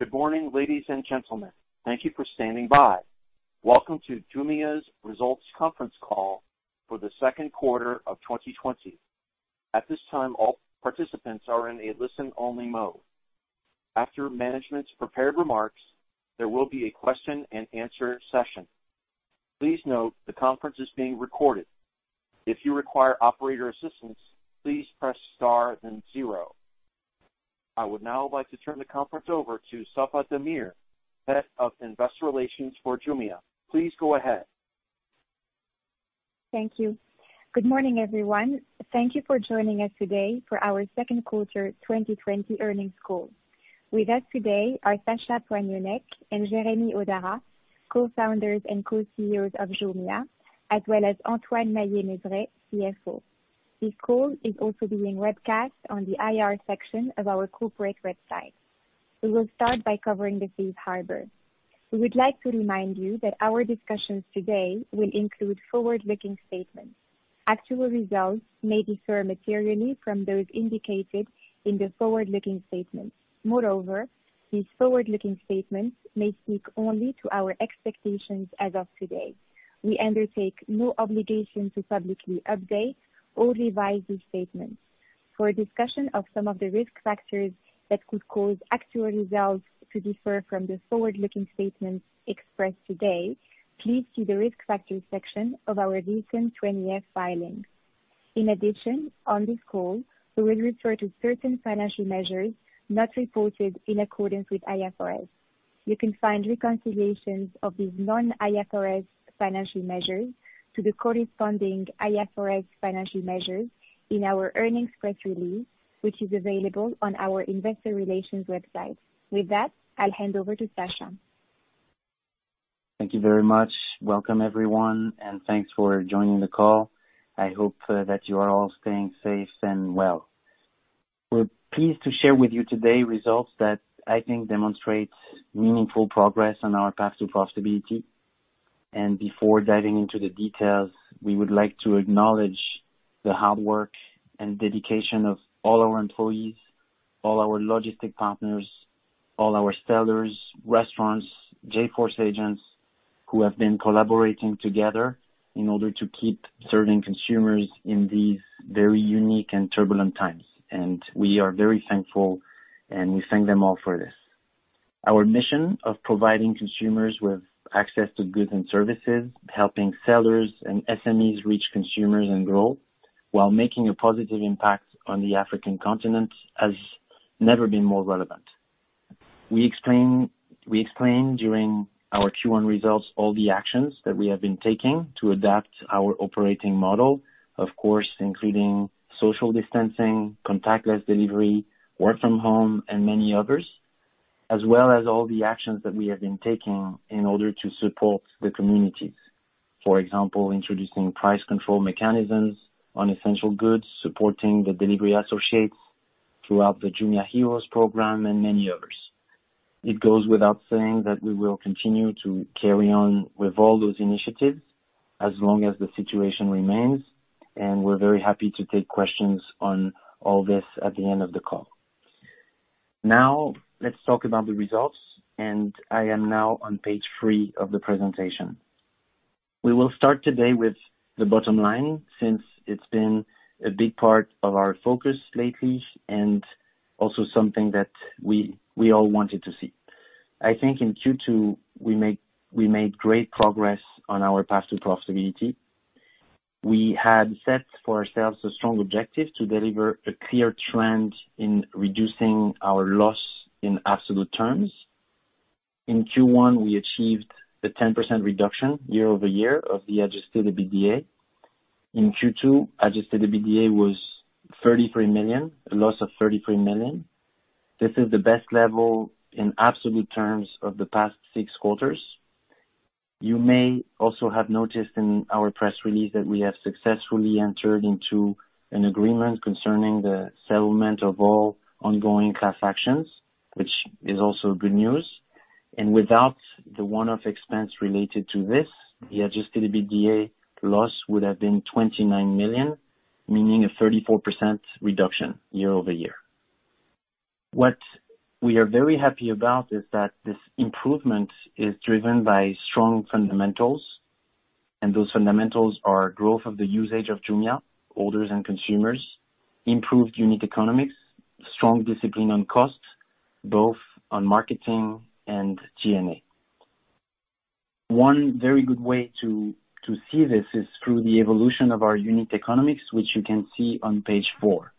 Good morning, ladies and gentlemen. Thank you for standing by. Welcome to Jumia's results conference call for the second quarter of 2020. At this time, all participants are in a listen-only mode. After management's prepared remarks, there will be a question and answer session. Please note the conference is being recorded. If you require operator assistance, please press star then zero. I would now like to turn the conference over to Safae Damir, Head of Investor Relations for Jumia. Please go ahead. Thank you. Good morning, everyone. Thank you for joining us today for our second quarter 2020 earnings call. With us today are Sacha Poignonnec and Jeremy Hodara, Co-Founders and Co-CEOs of Jumia, as well as Antoine Maillet-Mezeray, CFO. This call is also being webcast on the IR section of our corporate website. We will start by covering the safe harbor. We would like to remind you that our discussions today will include forward-looking statements. Actual results may differ materially from those indicated in the forward-looking statements. Moreover, these forward-looking statements may speak only to our expectations as of today. We undertake no obligation to publicly update or revise these statements. For a discussion of some of the risk factors that could cause actual results to differ from the forward-looking statements expressed today, please see the risk factors section of our recent 20-F filings. In addition, on this call, we will refer to certain financial measures not reported in accordance with IFRS. You can find reconciliations of these non-IFRS financial measures to the corresponding IFRS financial measures in our earnings press release, which is available on our investor relations website. With that, I'll hand over to Sacha. Thank you very much. Welcome, everyone, and thanks for joining the call. I hope that you are all staying safe and well. We're pleased to share with you today results that I think demonstrate meaningful progress on our path to profitability. Before diving into the details, we would like to acknowledge the hard work and dedication of all our employees, all our logistics partners, all our sellers, restaurants, J-Force agents who have been collaborating together in order to keep serving consumers in these very unique and turbulent times. We are very thankful, and we thank them all for this. Our mission of providing consumers with access to goods and services, helping sellers and SMEs reach consumers and grow while making a positive impact on the African continent has never been more relevant. We explained during our Q1 results all the actions that we have been taking to adapt our operating model, of course, including social distancing, contactless delivery, work from home, and many others, as well as all the actions that we have been taking in order to support the communities. For example, introducing price control mechanisms on essential goods, supporting the delivery associates throughout the Jumia Heroes program, and many others. It goes without saying that we will continue to carry on with all those initiatives as long as the situation remains, and we're very happy to take questions on all this at the end of the call. Now, let's talk about the results, and I am now on page three of the presentation. We will start today with the bottom line, since it's been a big part of our focus lately and also something that we all wanted to see. I think in Q2, we made great progress on our path to profitability. We had set for ourselves a strong objective to deliver a clear trend in reducing our loss in absolute terms. In Q1, we achieved a 10% reduction year-over-year of the Adjusted EBITDA. In Q2, Adjusted EBITDA was 33 million, a loss of 33 million. This is the best level in absolute terms of the past six quarters. You may also have noticed in our press release that we have successfully entered into an agreement concerning the settlement of all ongoing class actions, which is also good news. Without the one-off expense related to this, the Adjusted EBITDA loss would have been 29 million, meaning a 34% reduction year-over-year. What we are very happy about is that this improvement is driven by strong fundamentals. Those fundamentals are growth of the usage of Jumia, orders and consumers, improved unit economics, strong discipline on cost, both on marketing and G&A. One very good way to see this is through the evolution of our unit economics, which you can see on page four.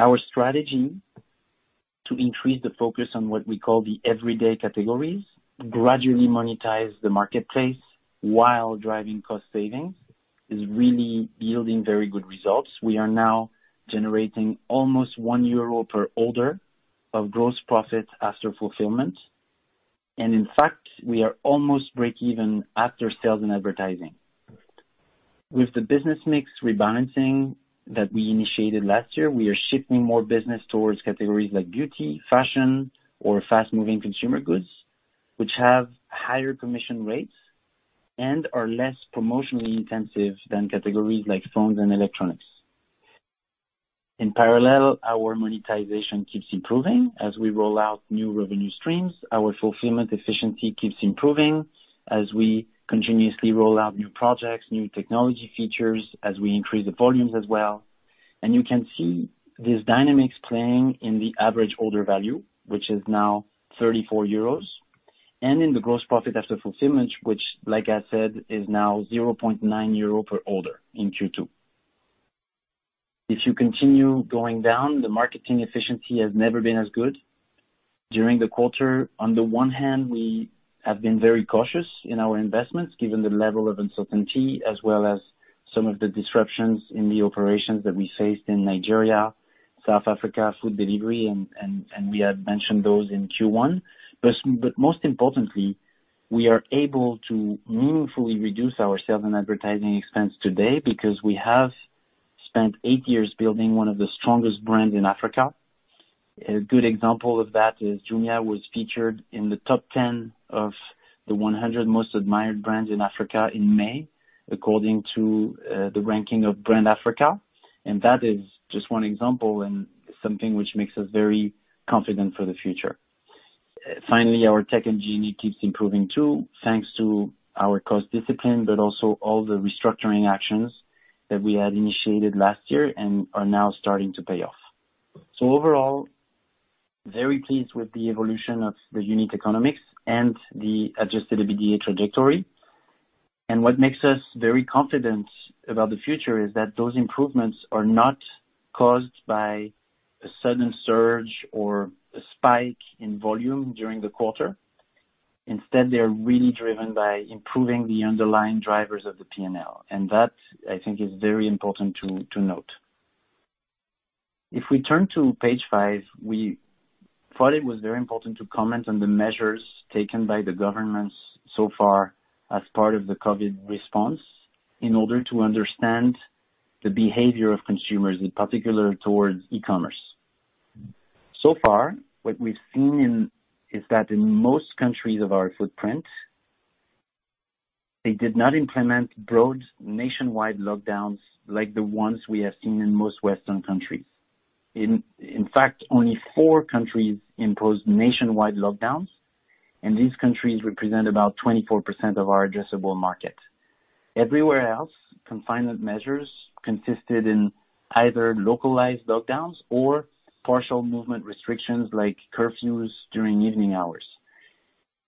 Our strategy to increase the focus on what we call the everyday categories, gradually monetize the marketplace while driving cost savings, is really yielding very good results. We are now generating almost 1 euro per order of gross profit after fulfillment. In fact, we are almost breakeven after sales and advertising. With the business mix rebalancing that we initiated last year, we are shifting more business towards categories like beauty, fashion, or Fast-Moving Consumer Goods, which have higher commission rates and are less promotionally intensive than categories like phones and electronics. In parallel, our monetization keeps improving as we roll out new revenue streams. Our fulfillment efficiency keeps improving as we continuously roll out new projects, new technology features, as we increase the volumes as well. You can see these dynamics playing in the average order value, which is now 34 euros, and in the gross profit after fulfillment, which like I said, is now 0.9 euro per order in Q2. If you continue going down, the marketing efficiency has never been as good. During the quarter, on the one hand, we have been very cautious in our investments given the level of uncertainty as well as some of the disruptions in the operations that we faced in Nigeria, South Africa, food delivery, and we had mentioned those in Q1. Most importantly, we are able to meaningfully reduce our sales and advertising expense today because we have spent eight years building one of the strongest brands in Africa. A good example of that is Jumia was featured in the top 10 of the 100 most admired brands in Africa in May, according to the ranking of Brand Africa, and that is just one example and something which makes us very confident for the future. Finally, our tech and G&A keeps improving too, thanks to our cost discipline, but also all the restructuring actions that we had initiated last year and are now starting to pay off. Overall, very pleased with the evolution of the unit economics and the Adjusted EBITDA trajectory. What makes us very confident about the future is that those improvements are not caused by a sudden surge or a spike in volume during the quarter. Instead, they are really driven by improving the underlying drivers of the P&L. That, I think, is very important to note. If we turn to page five, we thought it was very important to comment on the measures taken by the governments so far as part of the COVID response in order to understand the behavior of consumers, in particular towards e-commerce. Far, what we've seen is that in most countries of our footprint, they did not implement broad nationwide lockdowns like the ones we have seen in most Western countries. In fact, only four countries imposed nationwide lockdowns, and these countries represent about 24% of our addressable market. Everywhere else, confinement measures consisted in either localized lockdowns or partial movement restrictions, like curfews during evening hours.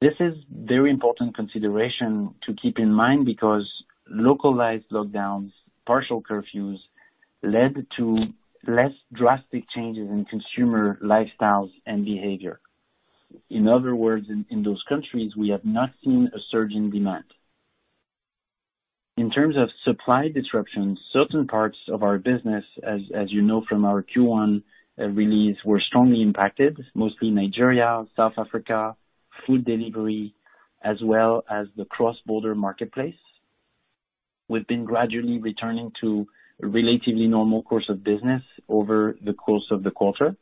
This is very important consideration to keep in mind because localized lockdowns, partial curfews, led to less drastic changes in consumer lifestyles and behavior. In other words, in those countries, we have not seen a surge in demand. In terms of supply disruptions, certain parts of our business, as you know from our Q1 release, were strongly impacted, mostly Nigeria, South Africa, food delivery, as well as the cross-border marketplace. We've been gradually returning to a relatively normal course of business over the course of the quarter.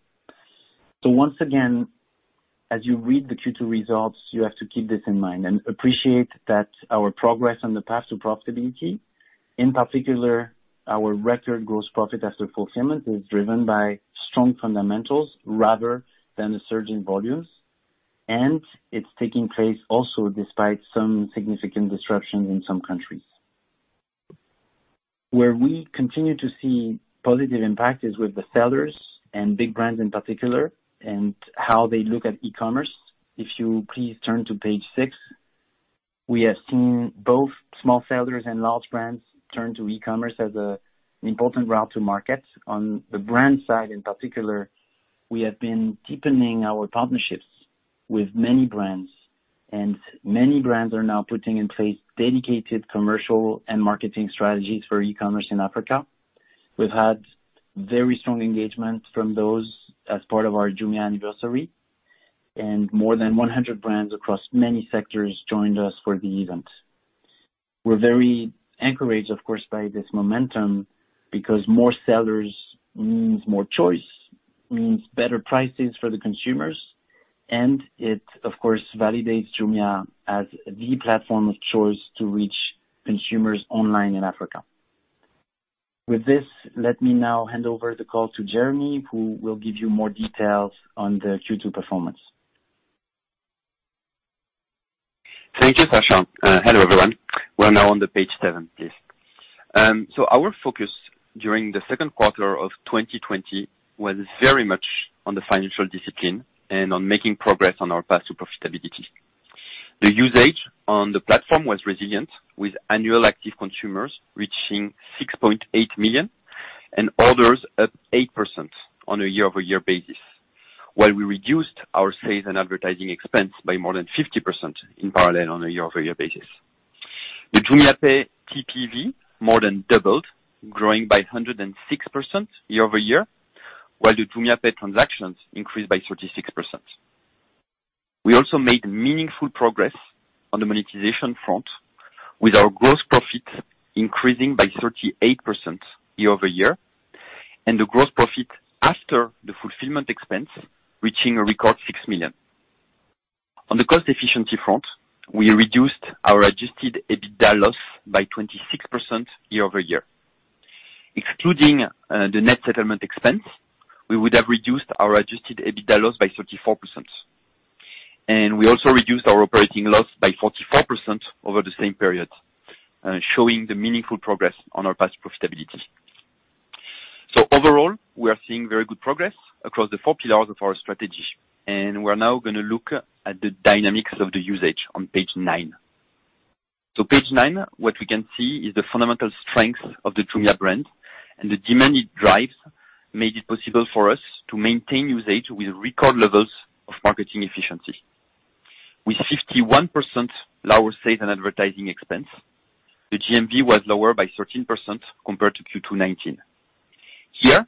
Once again, as you read the Q2 results, you have to keep this in mind and appreciate that our progress on the path to profitability, in particular, our record gross profit after fulfillment, is driven by strong fundamentals rather than a surge in volumes, and it's taking place also despite some significant disruptions in some countries. Where we continue to see positive impact is with the sellers, and big brands in particular, and how they look at e-commerce. If you please turn to page six. We have seen both small sellers and large brands turn to e-commerce as an important route to market. On the brand side, in particular, we have been deepening our partnerships with many brands, and many brands are now putting in place dedicated commercial and marketing strategies for e-commerce in Africa. We've had very strong engagement from those as part of our Jumia Anniversary, and more than 100 brands across many sectors joined us for the event. We're very encouraged, of course, by this momentum because more sellers means more choice, means better prices for the consumers, and it, of course, validates Jumia as the platform of choice to reach consumers online in Africa. With this, let me now hand over the call to Jeremy, who will give you more details on the Q2 performance.H Thank you, Sacha. Hello, everyone. We're now on the page seven, please. Our focus during the second quarter of 2020 was very much on the financial discipline and on making progress on our path to profitability. The usage on the platform was resilient, with annual active consumers reaching 6.8 million and orders up 8% on a year-over-year basis, while we reduced our sales and advertising expense by more than 50% in parallel on a year-over-year basis. The JumiaPay TPV more than doubled, growing by 106% year-over-year, while the JumiaPay transactions increased by 36%. We also made meaningful progress on the monetization front with our gross profit increasing by 38% year-over-year, and the gross profit after the fulfillment expense reaching a record 6 million. On the cost efficiency front, we reduced our Adjusted EBITDA loss by 26% year-over-year. Excluding the net settlement expense, we would have reduced our Adjusted EBITDA loss by 34%. We also reduced our operating loss by 44% over the same period, showing the meaningful progress on our path to profitability. Overall, we are seeing very good progress across the four pillars of our strategy, and we're now going to look at the dynamics of the usage on page nine. Page nine, what we can see is the fundamental strength of the Jumia brand and the demand it drives made it possible for us to maintain usage with record levels of marketing efficiency. With 51% lower sales and advertising expense, the GMV was lower by 13% compared to Q2 2019. Here,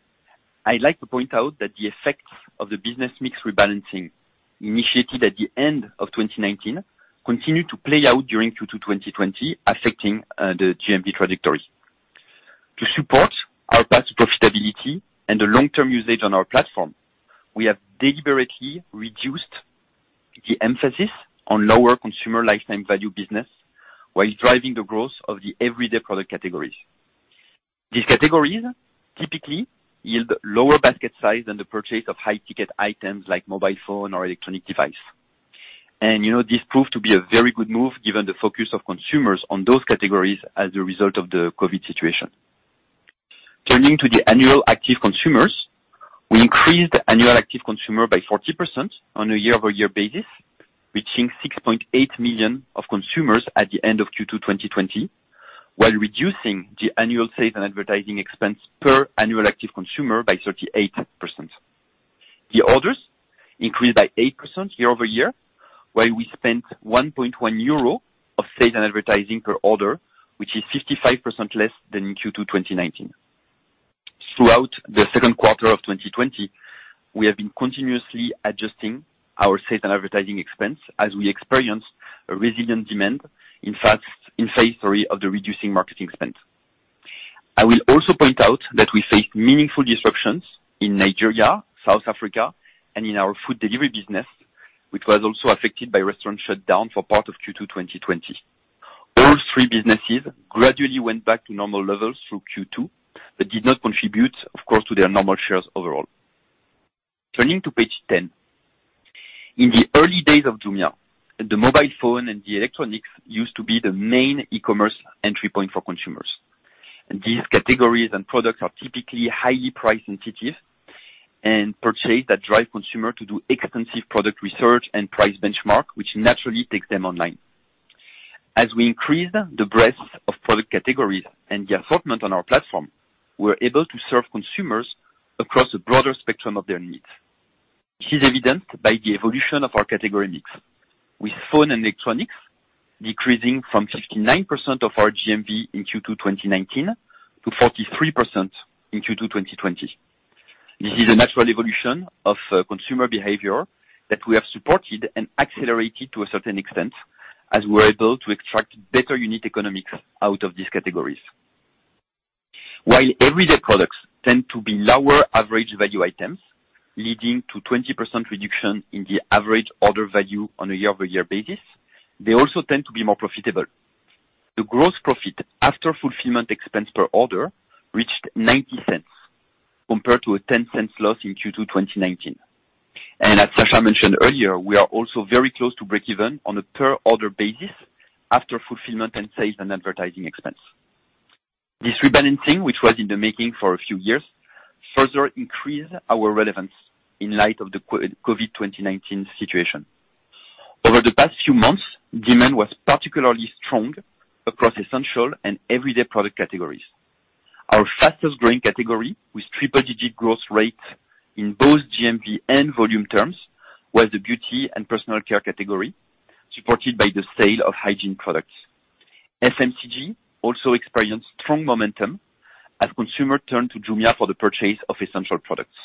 I'd like to point out that the effects of the business mix rebalancing, initiated at the end of 2019, continue to play out during Q2 2020, affecting the GMV trajectory. To support our past profitability and the long-term usage on our platform, we have deliberately reduced the emphasis on lower consumer lifetime value business while driving the growth of the everyday product categories. These categories typically yield lower basket size than the purchase of high ticket items like mobile phone or electronic device. This proved to be a very good move given the focus of consumers on those categories as a result of the COVID situation. Turning to the annual active consumers, we increased annual active consumer by 40% on a year-over-year basis, reaching 6.8 million consumers at the end of Q2 2020, while reducing the annual sales and advertising expense per annual active consumer by 38%. The orders increased by 8% year-over-year, while we spent 1.1 euro of sales and advertising per order, which is 55% less than in Q2 2019. Throughout the second quarter of 2020, we have been continuously adjusting our sales and advertising expense as we experienced a resilient demand in face of the reducing marketing spend. I will also point out that we faced meaningful disruptions in Nigeria, South Africa, and in our Jumia Food, which was also affected by restaurant shutdown for part of Q2 2020. All three businesses gradually went back to normal levels through Q2, did not contribute, of course, to their normal shares overall. Turning to page 10. In the early days of Jumia, the mobile phone and the electronic used to be the main e-commerce entry point for consumers. These categories and products are typically highly price sensitive, and purchase that drive consumer to do extensive product research and price benchmark, which naturally takes them online. As we increase the breadth of product categories and the assortment on our platform, we're able to serve consumers across a broader spectrum of their needs. This is evidenced by the evolution of our category mix, with phone and electronics decreasing from 69% of our GMV in Q2 2019 to 43% in Q2 2020. This is a natural evolution of consumer behavior that we have supported and accelerated to a certain extent as we're able to extract better unit economics out of these categories. While everyday products tend to be lower average value items, leading to 20% reduction in the average order value on a year-over-year basis, they also tend to be more profitable. The gross profit after fulfillment expense per order reached 0.90, compared to a 0.10 loss in Q2 2019. As Sacha mentioned earlier, we are also very close to break even on a per order basis after fulfillment and sales and advertising expense. This rebalancing, which was in the making for a few years, further increase our relevance in light of the COVID-19 situation. Over the past few months, demand was particularly strong across essential and everyday product categories. Our fastest growing category, with triple digit growth rate in both GMV and volume terms, was the beauty and personal care category, supported by the sale of hygiene products. FMCG also experienced strong momentum as consumer turned to Jumia for the purchase of essential products.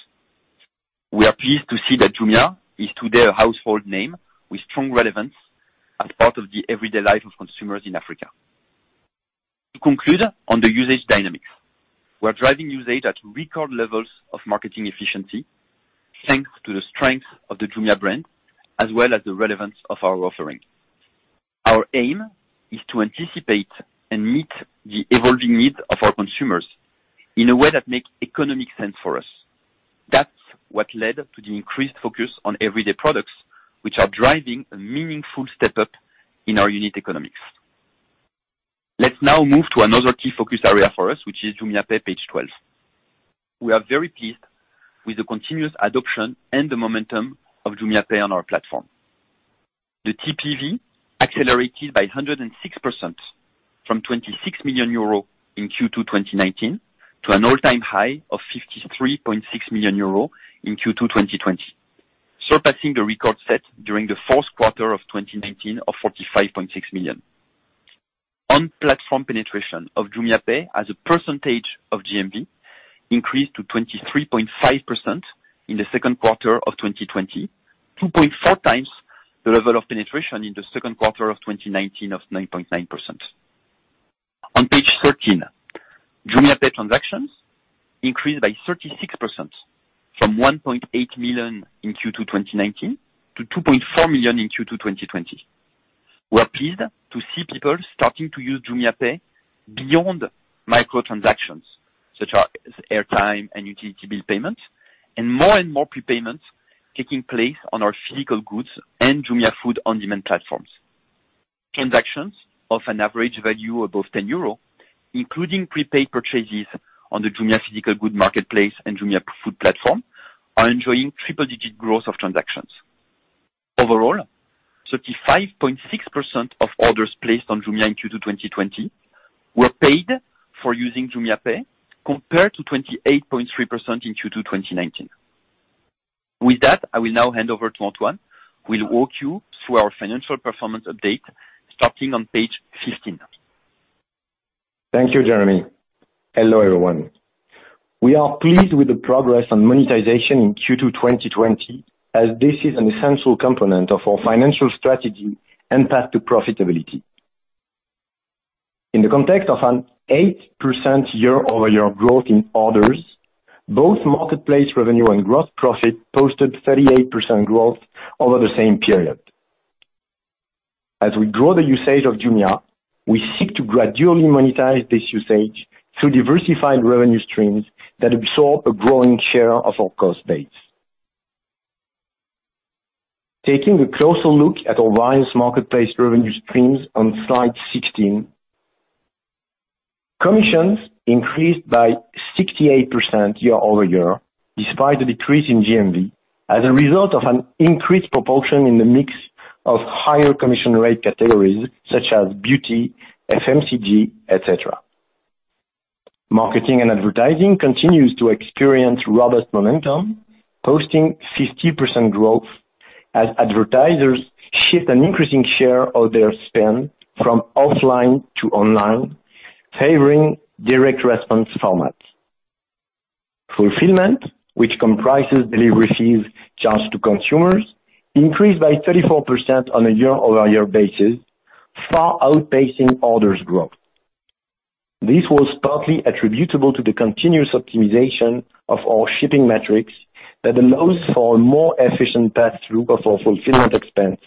We are pleased to see that Jumia is today a household name with strong relevance as part of the everyday life of consumers in Africa. To conclude on the usage dynamics, we're driving usage at record levels of marketing efficiency, thanks to the strength of the Jumia brand, as well as the relevance of our offering. Our aim is to anticipate and meet the evolving needs of our consumers in a way that makes economic sense for us. That's what led to the increased focus on everyday products, which are driving a meaningful step up in our unit economics. Let's now move to another key focus area for us, which is JumiaPay, page 12. We are very pleased with the continuous adoption and the momentum of JumiaPay on our platform. The TPV accelerated by 106%, from 26 million euro in Q2 2019 to an all-time high of 53.6 million euro in Q2 2020, surpassing the record set during the fourth quarter of 2019 of 45.6 million. On platform penetration of JumiaPay as a percentage of GMV increased to 23.5% in the second quarter of 2020, 2.4x the level of penetration in the second quarter of 2019 of 9.9%. On page 13, JumiaPay transactions increased by 36%, from 1.8 million in Q2 2019 to 2.4 million in Q2 2020. We're pleased to see people starting to use JumiaPay beyond micro-transactions, such as airtime and utility bill payments, and more and more prepayments taking place on our physical goods and Jumia Food on-demand platforms. Transactions of an average value above 10 euro, including prepaid purchases on the Jumia physical goods marketplace and Jumia Food platform, are enjoying triple-digit growth of transactions. Overall, 35.6% of orders placed on Jumia in Q2 2020 were paid for using JumiaPay, compared to 28.3% in Q2 2019. With that, I will now hand over to Antoine, who will walk you through our financial performance update starting on page 15. Thank you, Jeremy. Hello, everyone. We are pleased with the progress on monetization in Q2 2020, as this is an essential component of our financial strategy and path to profitability. In the context of an 8% year-over-year growth in orders, both marketplace revenue and gross profit posted 38% growth over the same period. As we grow the usage of Jumia, we seek to gradually monetize this usage through diversified revenue streams that absorb a growing share of our cost base. Taking a closer look at our various marketplace revenue streams on slide 16, commissions increased by 68% year-over-year, despite a decrease in GMV, as a result of an increased proportion in the mix of higher commission rate categories such as beauty, FMCG, et cetera. Marketing and advertising continues to experience robust momentum, posting 50% growth as advertisers shift an increasing share of their spend from offline to online, favoring direct response formats. Fulfillment, which comprises delivery fees charged to consumers, increased by 34% on a year-over-year basis, far outpacing orders growth. This was partly attributable to the continuous optimization of our shipping metrics that allows for a more efficient pass-through of our fulfillment expense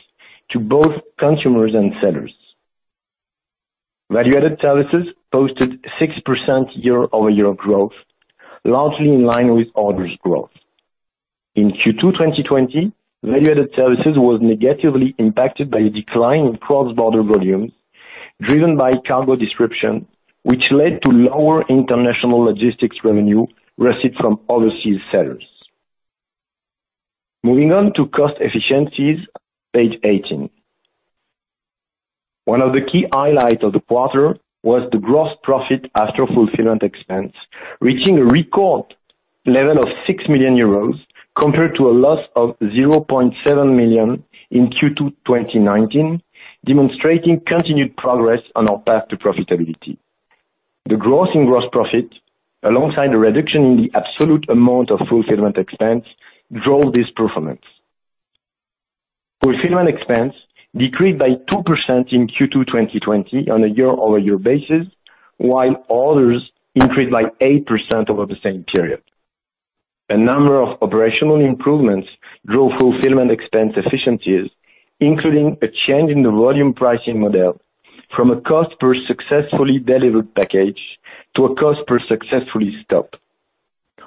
to both consumers and sellers. Value-added services posted 6% year-over-year growth, largely in line with orders growth. In Q2 2020, value-added services was negatively impacted by a decline in cross-border volumes driven by cargo disruption, which led to lower international logistics revenue received from overseas sellers. Moving on to cost efficiencies, page 18. One of the key highlights of the quarter was the gross profit after fulfillment expense, reaching a record level of 6 million euros, compared to a loss of 0.7 million in Q2 2019, demonstrating continued progress on our path to profitability. The growth in gross profit, alongside a reduction in the absolute amount of fulfillment expense, drove this performance. Fulfillment expense decreased by 2% in Q2 2020 on a year-over-year basis, while orders increased by 8% over the same period. A number of operational improvements drove fulfillment expense efficiencies, including a change in the volume pricing model from a cost per successfully delivered package to a cost per successfully stopped.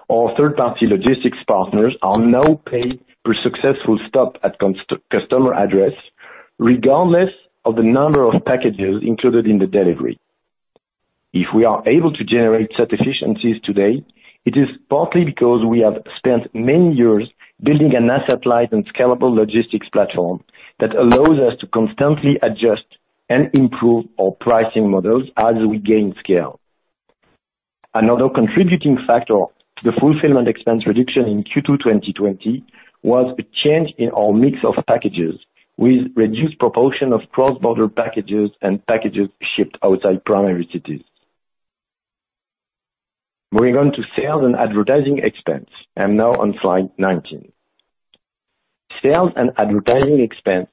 Our third-party logistics partners are now paid per successful stop at customer address, regardless of the number of packages included in the delivery. If we are able to generate such efficiencies today, it is partly because we have spent many years building an asset-light and scalable logistics platform that allows us to constantly adjust and improve our pricing models as we gain scale. Another contributing factor to the fulfillment expense reduction in Q2 2020 was a change in our mix of packages, with reduced proportion of cross-border packages and packages shipped outside primary cities. Moving on to sales and advertising expense, and now on slide 19. Sales and advertising expense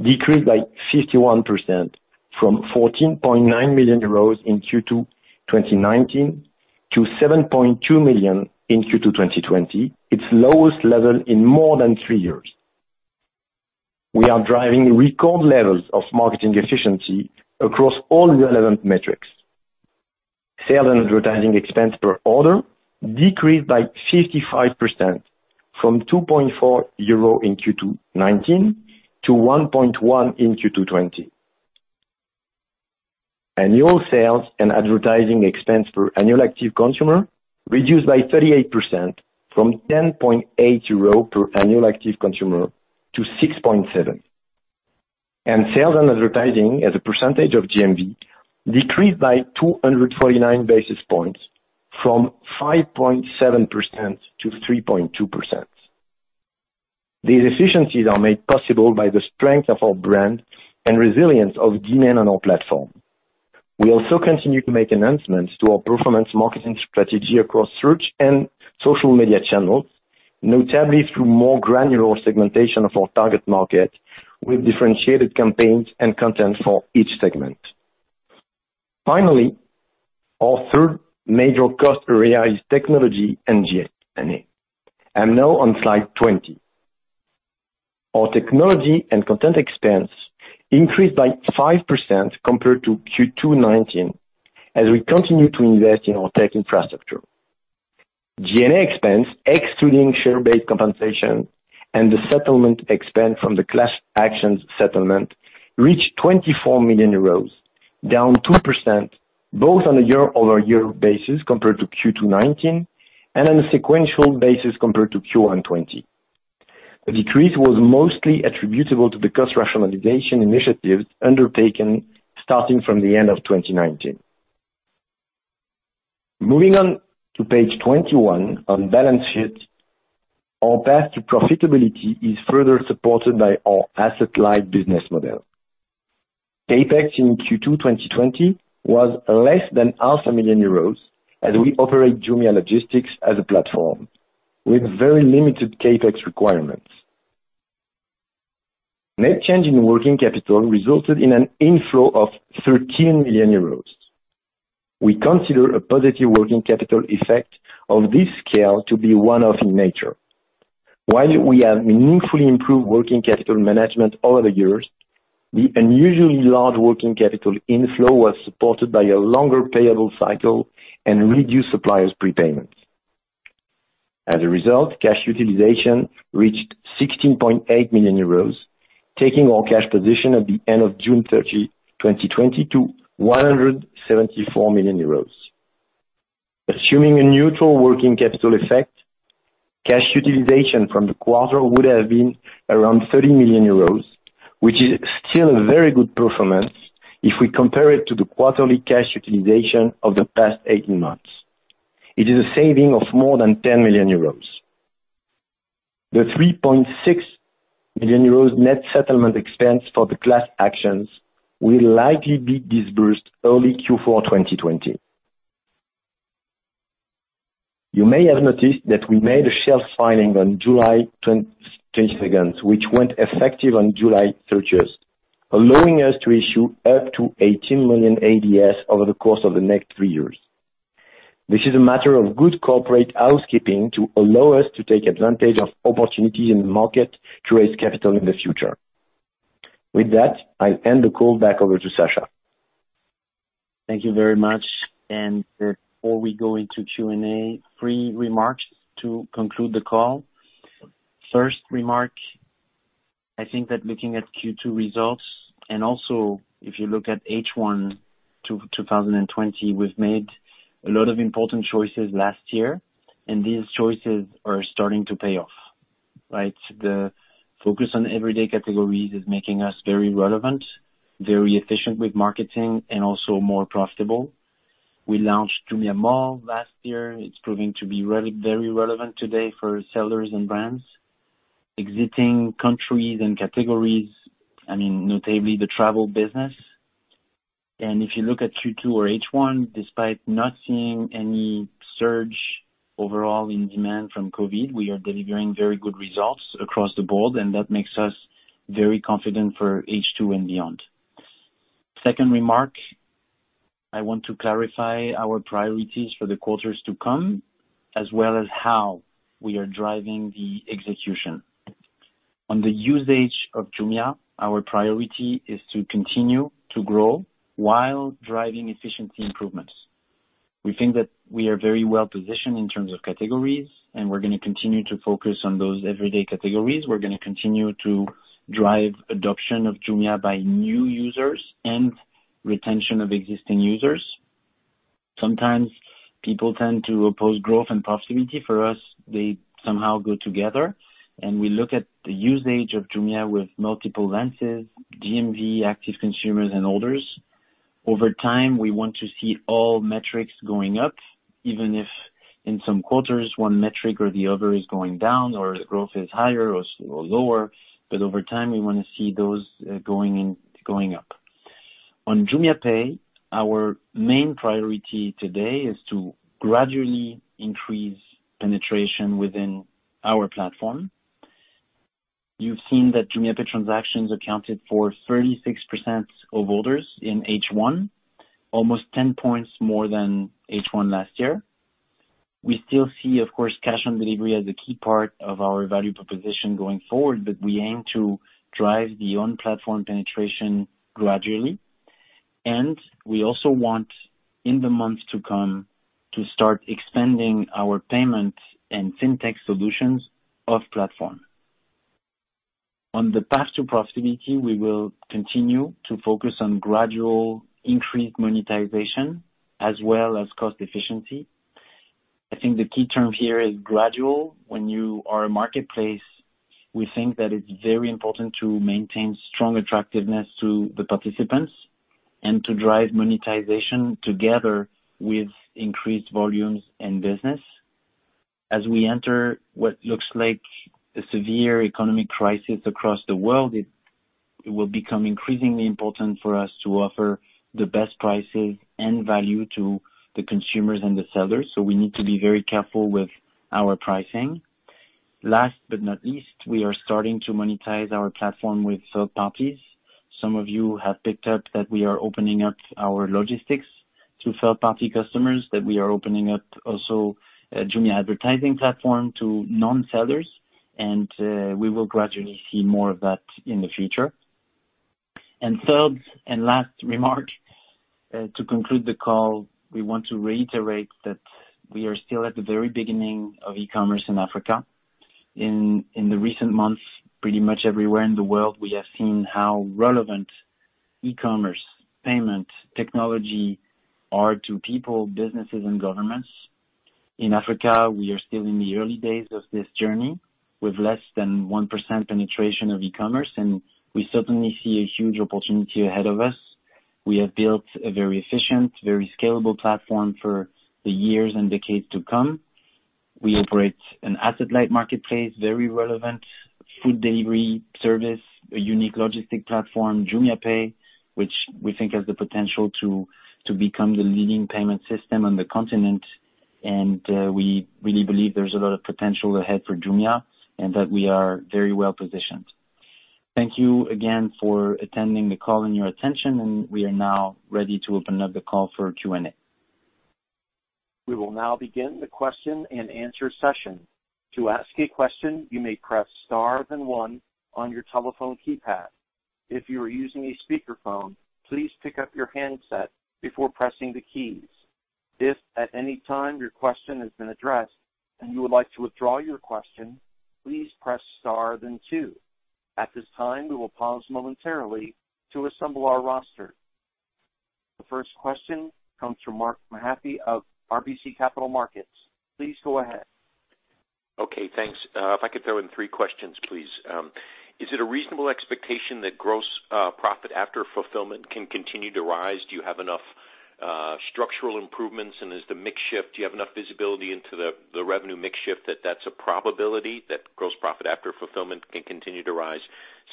decreased by 51%, from 14.9 million euros in Q2 2019 to 7.2 million in Q2 2020, its lowest level in more than three years. We are driving record levels of marketing efficiency across all relevant metrics. Sales and advertising expense per order decreased by 55%, from 2.4 euro in Q2 2019 to 1.1 in Q2 2020. Annual sales and advertising expense per annual active consumer reduced by 38%, from 10.8 euro per annual active consumer to 6.7. Sales and advertising as a percentage of GMV decreased by 249 basis points, from 5.7% to 3.2%. These efficiencies are made possible by the strength of our brand and resilience of demand on our platform. We also continue to make enhancements to our performance marketing strategy across search and social media channels, notably through more granular segmentation of our target market with differentiated campaigns and content for each segment. Finally, our third major cost area is technology and G&A. Now on slide 20. Our technology and content expense increased by 5% compared to Q2 2019, as we continue to invest in our tech infrastructure. G&A expense, excluding share-based compensation and the settlement expense from the class actions settlement, reached 24 million euros, down 2% both on a year-over-year basis compared to Q2 2019, and on a sequential basis compared to Q1 2020. The decrease was mostly attributable to the cost rationalization initiatives undertaken starting from the end of 2019. Moving on to page 21, on balance sheet, our path to profitability is further supported by our asset-light business model. CapEx in Q2 2020 was less than half a million euros as we operate Jumia Logistics as a platform with very limited CapEx requirements. Net change in working capital resulted in an inflow of 13 million euros. We consider a positive working capital effect of this scale to be one-off in nature. While we have meaningfully improved working capital management over the years, the unusually large working capital inflow was supported by a longer payable cycle and reduced suppliers' prepayments. As a result, cash utilization reached 16.8 million euros, taking our cash position at the end of June 30, 2020 to 174 million euros. Assuming a neutral working capital effect, cash utilization from the quarter would have been around 30 million euros, which is still a very good performance if we compare it to the quarterly cash utilization of the past 18 months. It is a saving of more than 10 million euros. The 3.6 million euros net settlement expense for the class actions will likely be disbursed early Q4 2020. You may have noticed that we made a shelf filing on July 22nd, which went effective on July 30th, allowing us to issue up to 18 million ADS over the course of the next three years. This is a matter of good corporate housekeeping to allow us to take advantage of opportunities in the market to raise capital in the future. With that, I hand the call back over to Sacha. Thank you very much. Before we go into Q&A, three remarks to conclude the call. First remark, I think that looking at Q2 results, and also if you look at H1 2020, we've made a lot of important choices last year, and these choices are starting to pay off, right? The focus on everyday categories is making us very relevant, very efficient with marketing, and also more profitable. We launched Jumia Mall last year. It's proving to be very relevant today for sellers and brands. Exiting countries and categories, I mean, notably the travel business. If you look at Q2 or H1, despite not seeing any surge overall in demand from COVID, we are delivering very good results across the board, and that makes us very confident for H2 and beyond. Second remark, I want to clarify our priorities for the quarters to come, as well as how we are driving the execution. On the usage of Jumia, our priority is to continue to grow while driving efficiency improvements. We think that we are very well positioned in terms of categories, and we're going to continue to focus on those everyday categories. We're going to continue to drive adoption of Jumia by new users and retention of existing users. Sometimes people tend to oppose growth and profitability. For us, they somehow go together, and we look at the usage of Jumia with multiple lenses, GMV, active consumers, and orders. Over time, we want to see all metrics going up, even if in some quarters one metric or the other is going down or growth is higher or lower. Over time, we want to see those going up. On JumiaPay, our main priority today is to gradually increase penetration within our platform. You've seen that JumiaPay transactions accounted for 36% of orders in H1, almost 10 points more than H1 last year. We still see, of course, cash on delivery as a key part of our value proposition going forward, but we aim to drive the on-platform penetration gradually, and we also want, in the months to come, to start expanding our payment and fintech solutions off-platform. On the path to profitability, we will continue to focus on gradual increased monetization as well as cost efficiency. I think the key term here is gradual. When you are a marketplace, we think that it's very important to maintain strong attractiveness to the participants and to drive monetization together with increased volumes and business. As we enter what looks like a severe economic crisis across the world, It will become increasingly important for us to offer the best prices and value to the consumers and the sellers, we need to be very careful with our pricing. Last but not least, we are starting to monetize our platform with third parties. Some of you have picked up that we are opening up our logistics to third-party customers, that we are opening up also Jumia advertising platform to non-sellers, We will gradually see more of that in the future. Third and last remark, to conclude the call, we want to reiterate that we are still at the very beginning of e-commerce in Africa. In the recent months, pretty much everywhere in the world, we have seen how relevant e-commerce, payment, technology are to people, businesses, and governments. In Africa, we are still in the early days of this journey, with less than 1% penetration of e-commerce, and we certainly see a huge opportunity ahead of us. We have built a very efficient, very scalable platform for the years and decades to come. We operate an asset-light marketplace, very relevant food delivery service, a unique logistic platform, JumiaPay, which we think has the potential to become the leading payment system on the continent. We really believe there's a lot of potential ahead for Jumia and that we are very well positioned. Thank you again for attending the call and your attention, and we are now ready to open up the call for Q&A. We will now begin the question and answer session. To ask a question, you may press star then one on your telephone keypad. If you are using a speakerphone, please pick up your handset before pressing the keys. If at any time your question has been addressed and you would like to withdraw your question, please press star then two. At this time, we will pause momentarily to assemble our roster. The first question comes from Mark Mahaney of RBC Capital Markets. Please go ahead. Okay, thanks. If I could throw in three questions, please. Is it a reasonable expectation that gross profit after fulfillment can continue to rise? Do you have enough structural improvements, and as the mix shift, do you have enough visibility into the revenue mix shift that that's a probability that gross profit after fulfillment can continue to rise?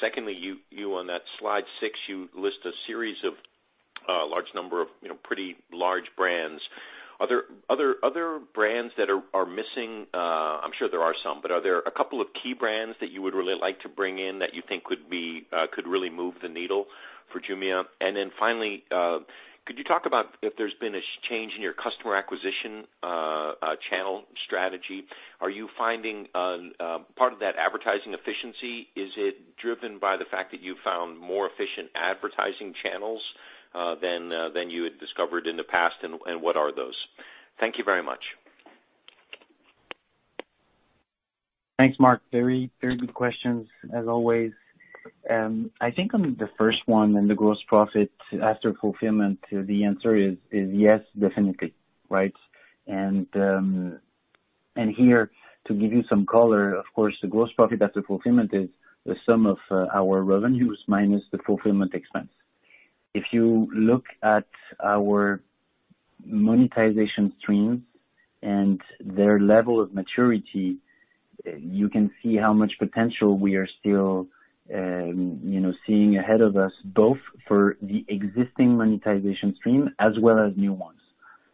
Secondly, you on that slide six, you list a series of a large number of pretty large brands. Are there other brands that are missing? I'm sure there are some, but are there a couple of key brands that you would really like to bring in that you think could really move the needle for Jumia? Finally, could you talk about if there's been a change in your customer acquisition channel strategy? Are you finding part of that advertising efficiency, is it driven by the fact that you found more efficient advertising channels than you had discovered in the past, and what are those? Thank you very much. Thanks, Mark. Very good questions as always. I think on the first one, on the gross profit after fulfillment, the answer is yes, definitely. Right? Here, to give you some color, of course, the gross profit after fulfillment is the sum of our revenues minus the fulfillment expense. If you look at our monetization streams and their level of maturity, you can see how much potential we are still seeing ahead of us, both for the existing monetization stream as well as new ones.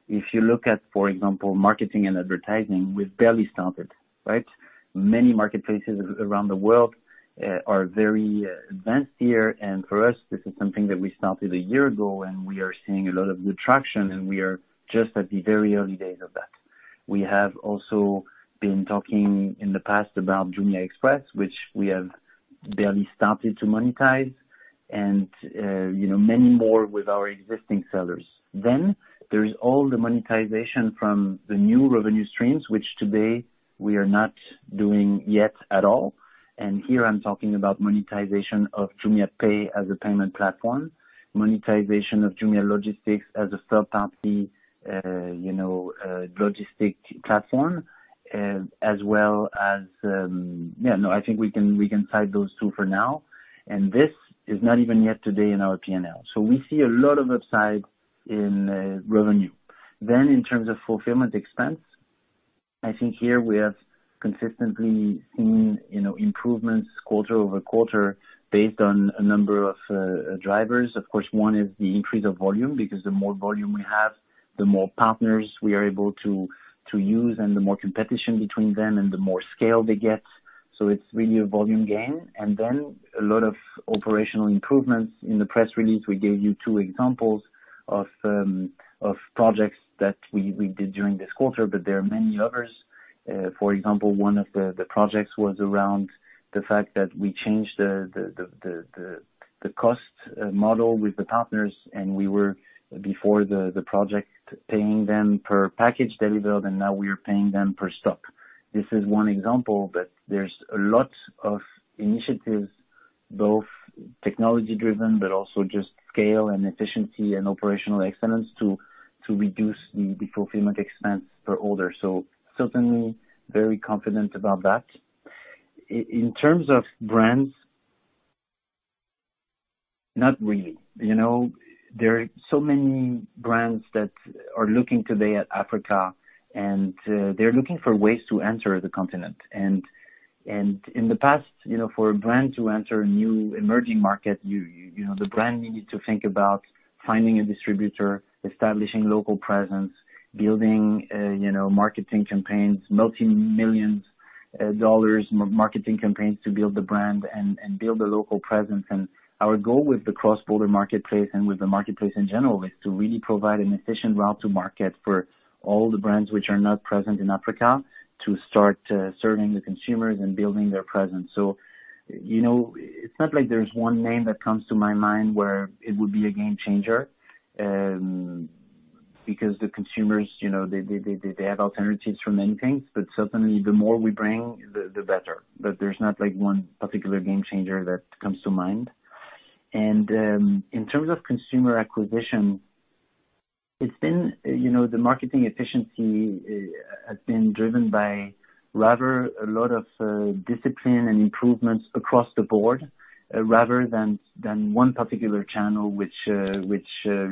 If you look at, for example, marketing and advertising, we've barely started, right? Many marketplaces around the world are very advanced here, and for us, this is something that we started a year ago, and we are seeing a lot of good traction, and we are just at the very early days of that. We have also been talking in the past about Jumia Express, which we have barely started to monetize, and many more with our existing sellers. There is all the monetization from the new revenue streams, which today we are not doing yet at all. Here I'm talking about monetization of JumiaPay as a payment platform, monetization of Jumia Logistics as a third-party logistic platform. No, I think we can side those two for now. This is not even yet today in our P&L. We see a lot of upside in revenue. In terms of fulfillment expense, I think here we have consistently seen improvements quarter-over-quarter based on a number of drivers. Of course, one is the increase of volume, because the more volume we have, the more partners we are able to use and the more competition between them and the more scale they get. It's really a volume game. Then a lot of operational improvements. In the press release, we gave you two examples of projects that we did during this quarter, but there are many others. For example, one of the projects was around the fact that we changed the cost model with the partners, and we were, before the project, paying them per package delivered, and now we are paying them per stop. This is one example, but there's a lot of initiatives, both technology-driven, but also just scale and efficiency and operational excellence to reduce the fulfillment expense per order. Certainly very confident about that. In terms of brands. Not really. There are so many brands that are looking today at Africa, and they're looking for ways to enter the continent. In the past, for a brand to enter a new emerging market, the brand needed to think about finding a distributor, establishing local presence, building marketing campaigns, multi-millions of dollars marketing campaigns to build the brand and build a local presence. Our goal with the cross-border marketplace and with the marketplace in general is to really provide an efficient route to market for all the brands which are not present in Africa to start serving the consumers and building their presence. It's not like there's one name that comes to my mind where it would be a game changer, because the consumers, they have alternatives for many things, but certainly the more we bring, the better. There's not one particular game changer that comes to mind. In terms of consumer acquisition, the marketing efficiency has been driven by rather a lot of discipline and improvements across the board rather than one particular channel which showed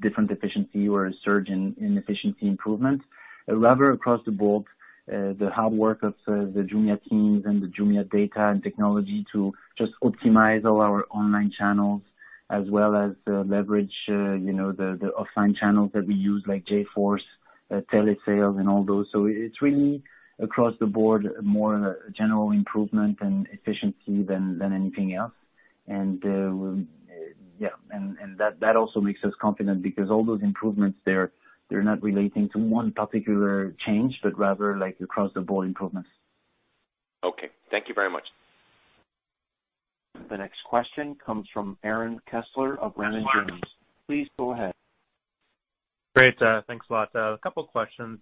different efficiency or a surge in efficiency improvement. Rather across the board, the hard work of the Jumia teams and the Jumia data and technology to just optimize all our online channels as well as leverage the offline channels that we use like J-Force, telesales, and all those. It's really across the board, more general improvement and efficiency than anything else. That also makes us confident because all those improvements, they're not relating to one particular change, but rather across-the-board improvements. Okay. Thank you very much. The next question comes from Aaron Kessler of Raymond James. Please go ahead. Great. Thanks a lot. A couple of questions.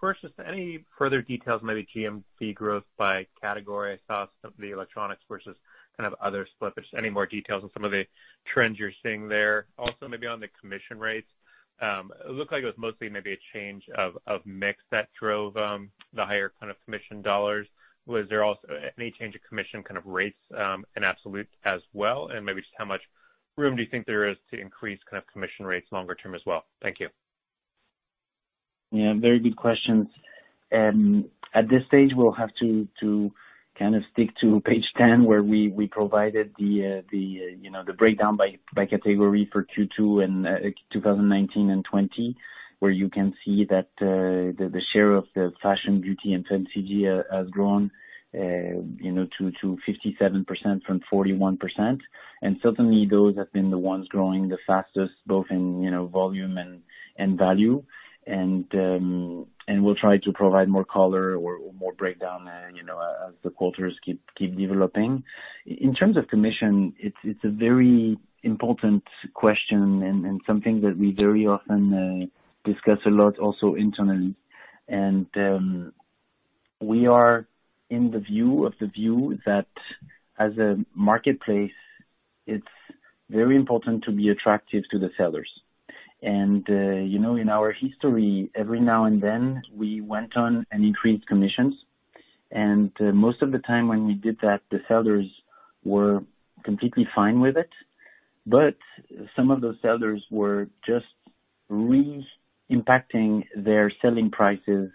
First, just any further details, maybe GMV growth by category. I saw some of the electronics versus kind of other slippage. Any more details on some of the trends you're seeing there? Maybe on the commission rates. It looked like it was mostly maybe a change of mix that drove the higher kind of commission EUR. Was there also any change of commission kind of rates in absolute as well? Maybe just how much room do you think there is to increase commission rates longer term as well? Thank you. Yeah, very good questions. At this stage, we'll have to kind of stick to page 10 where we provided the breakdown by category for Q2 and 2019 and 2020, where you can see that the share of the fashion, beauty, and FMCG has grown to 57% from 41%. Certainly those have been the ones growing the fastest, both in volume and value. We'll try to provide more color or more breakdown as the quarters keep developing. In terms of commission, it's a very important question and something that we very often discuss a lot also internally. We are in the view of the view that as a marketplace, it's very important to be attractive to the sellers. In our history, every now and then, we went on and increased commissions. Most of the time when we did that, the sellers were completely fine with it. Some of those sellers were just re-impacting their selling prices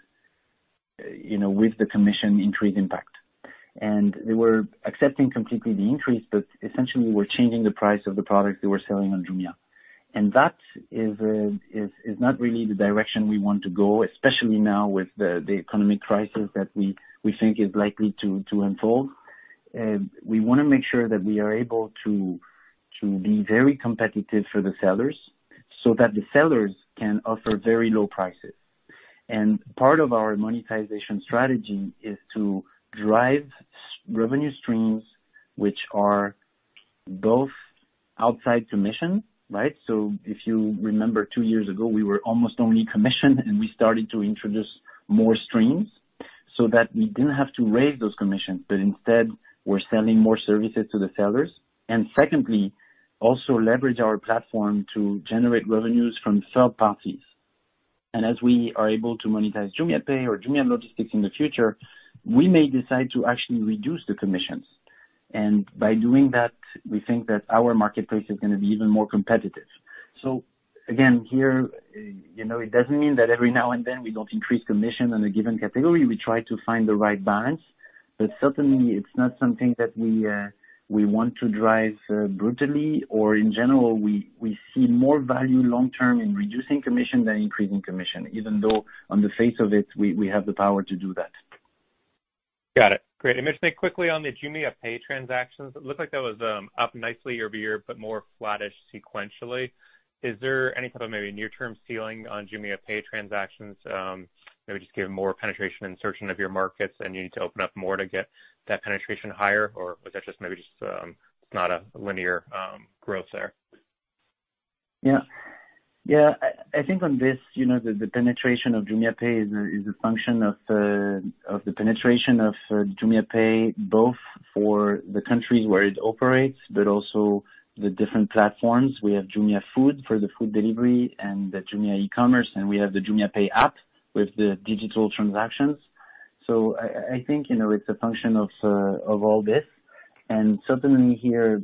with the commission increase impact. They were accepting completely the increase, but essentially were changing the price of the product they were selling on Jumia. That is not really the direction we want to go, especially now with the economic crisis that we think is likely to unfold. We want to make sure that we are able to be very competitive for the sellers so that the sellers can offer very low prices. Part of our monetization strategy is to drive revenue streams which are both outside commission, right? If you remember, two years ago, we were almost only commission, and we started to introduce more streams so that we didn't have to raise those commissions, but instead, we're selling more services to the sellers. Secondly, also leverage our platform to generate revenues from third parties. As we are able to monetize JumiaPay or Jumia Logistics in the future, we may decide to actually reduce the commissions. By doing that, we think that our marketplace is gonna be even more competitive. Again, here, it doesn't mean that every now and then we don't increase commission on a given category. We try to find the right balance, but certainly it's not something that we want to drive brutally or in general, we see more value long-term in reducing commission than increasing commission, even though on the face of it, we have the power to do that. Got it. Great. Sacha, then quickly on the JumiaPay transactions, it looked like that was up nicely year-over-year, but more flattish sequentially. Is there any type of maybe near-term ceiling on JumiaPay transactions? Maybe just given more penetration insertion of your markets and you need to open up more to get that penetration higher? Was that just maybe just not a linear growth there? Yeah. I think on this, the penetration of JumiaPay is a function of the penetration of JumiaPay, both for the countries where it operates, but also the different platforms. We have Jumia Food for the food delivery and the Jumia e-commerce, and we have the JumiaPay app with the digital transactions. I think it's a function of all this, and certainly here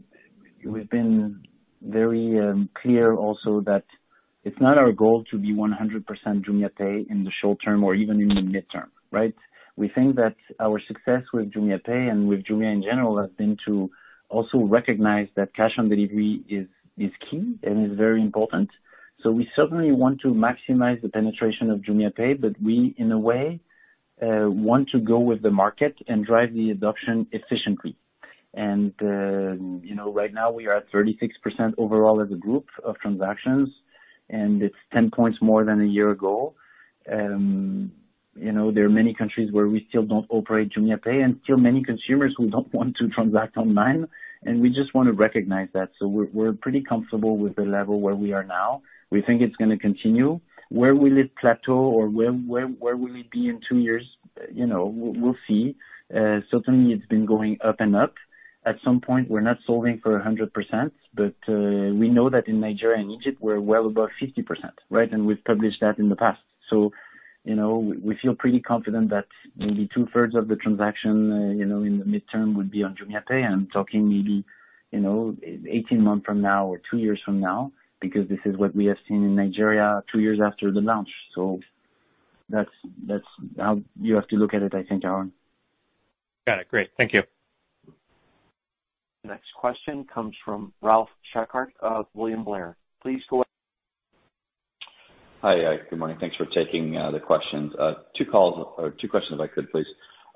we've been very clear also that it's not our goal to be 100% JumiaPay in the short term or even in the mid-term. We think that our success with JumiaPay and with Jumia in general has been to also recognize that cash on delivery is key and is very important. We certainly want to maximize the penetration of JumiaPay, but we, in a way, want to go with the market and drive the adoption efficiently. Right now, we are at 36% overall as a group of transactions, and it's 10 points more than a year ago. There are many countries where we still don't operate JumiaPay and still many consumers who don't want to transact online, and we just want to recognize that. We're pretty comfortable with the level where we are now. We think it's going to continue. Where will it plateau or where will it be in two years? We'll see. Certainly it's been going up and up. At some point, we're not solving for 100%, but we know that in Nigeria and Egypt, we're well above 50%, and we've published that in the past. We feel pretty confident that maybe two-thirds of the transaction in the midterm will be on JumiaPay. I'm talking maybe 18 months from now or two years from now, because this is what we have seen in Nigeria two years after the launch. That's how you have to look at it, I think, Aaron. Got it. Great. Thank you. The next question comes from Ralph Schackart of William Blair. Please go ahead. Hi. Good morning. Thanks for taking the questions. Two questions if I could, please.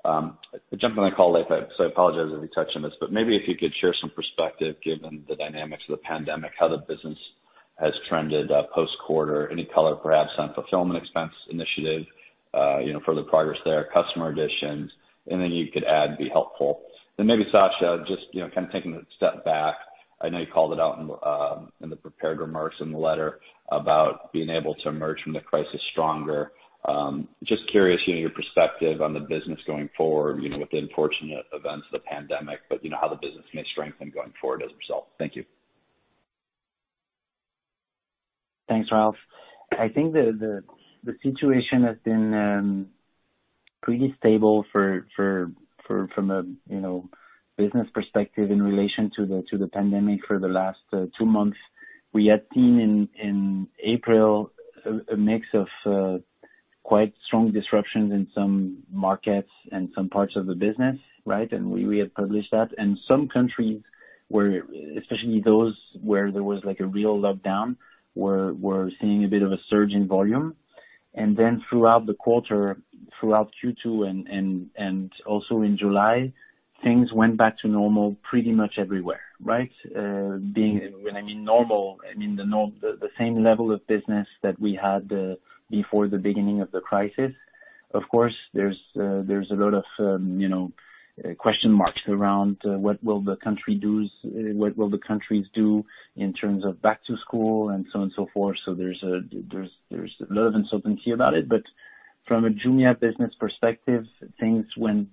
I jumped on the call late. I apologize if you touched on this, maybe if you could share some perspective, given the dynamics of the pandemic, how the business has trended post-quarter, any color perhaps on fulfillment expense initiative, further progress there, customer additions, anything you could add would be helpful. Maybe Sacha, just kind of taking a step back, I know you called it out in the prepared remarks in the letter about being able to emerge from the crisis stronger. Just curious, your perspective on the business going forward, with the unfortunate events of the pandemic, how the business may strengthen going forward as a result. Thank you. Thanks, Ralph. I think the situation has been pretty stable from a business perspective in relation to the pandemic for the last two months. We had seen in April a mix of quite strong disruptions in some markets and some parts of the business, we have published that. Some countries, especially those where there was a real lockdown, were seeing a bit of a surge in volume. Throughout the quarter, throughout Q2 and also in July, things went back to normal pretty much everywhere. When I mean normal, I mean the same level of business that we had before the beginning of the crisis. Of course, there's a lot of question marks around what will the countries do in terms of back to school and so on and so forth. There's a lot of uncertainty about it. From a Jumia business perspective, things went,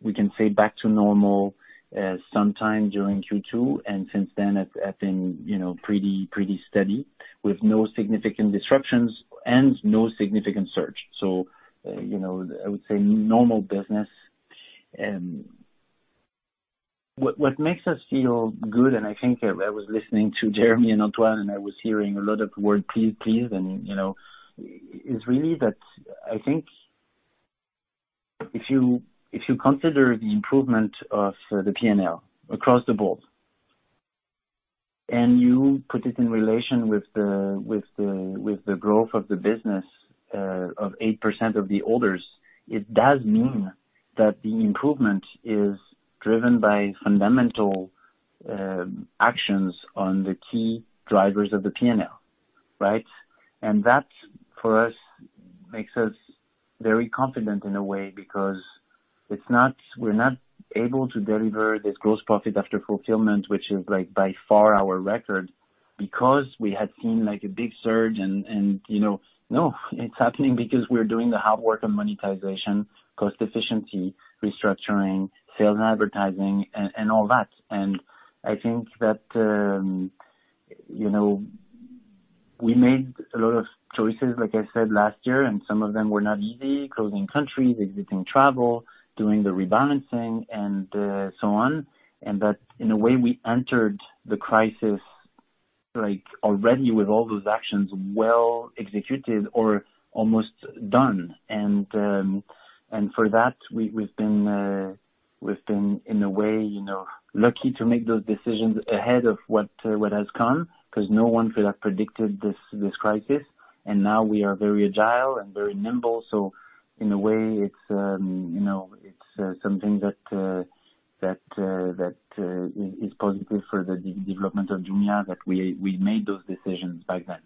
we can say, back to normal sometime during Q2, and since then have been pretty steady with no significant disruptions and no significant surge. I would say normal business. What makes us feel good, and I think I was listening to Jeremy and Antoine, and I was hearing a lot of word please, is really that I think if you consider the improvement of the P&L across the board, and you put it in relation with the growth of the business of 8% of the orders, it does mean that the improvement is driven by fundamental actions on the key drivers of the P&L. That, for us, makes us very confident in a way because we're not able to deliver this gross profit after fulfillment, which is by far our record, because we had seen a big surge and, no, it's happening because we're doing the hard work on monetization, cost efficiency, restructuring, sales and advertising, and all that. I think that we made a lot of choices, like I said, last year, and some of them were not easy, closing countries, exiting travel, doing the rebalancing, and so on. That in a way, we entered the crisis already with all those actions well executed or almost done. For that, we've been, in a way, lucky to make those decisions ahead of what has come because no one could have predicted this crisis. Now we are very agile and very nimble. In a way, it's something that is positive for the development of Jumia that we made those decisions back then.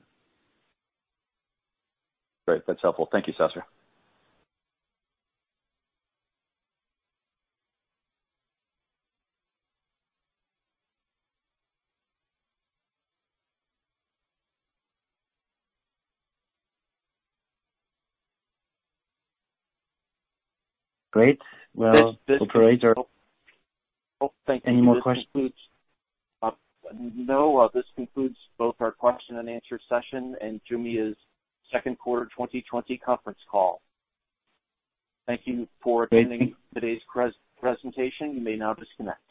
Great. That's helpful. Thank you, Sacha. Great. Well, Operator. Thank you. Any more questions? No, this concludes both our question and answer session and Jumia's second quarter 2020 conference call. Thank you for attending today's presentation. You may now disconnect.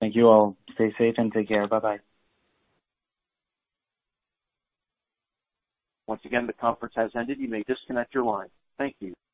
Thank you all. Stay safe and take care. Bye-bye. Once again, the conference has ended. You may disconnect your line. Thank you.